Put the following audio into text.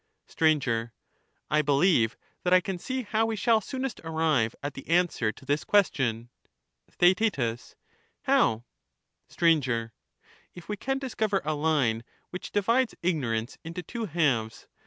Str. I believe that I can see how we shall soonest arrive at the answer to this question. Theaet. How? Str. If we can discover a line which divides ignorance A division into two halves.